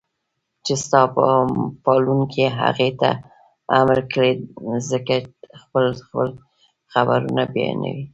چې ستا پالونکي هغې ته امر کړی زکه خپل خپل خبرونه بيانوي